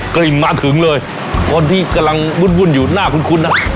กลิ่นมาถึงเลยคนที่กำลังวุ่นอยู่หน้าคุ้นนะ